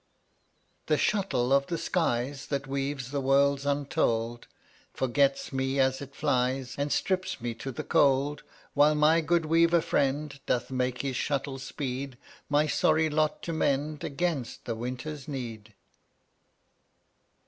143 The shuttle of the skies That weaves the worlds untold Forgets me as it flies And strips me to the cold, While my good weaver friend Doth make his shuttle speed My sorry lot to mend Against the winter's need.